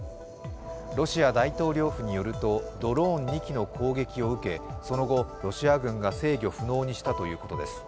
ロシア大統領府によるとドローン２機の攻撃を受けその後、ロシア軍が制御不能にしたということです。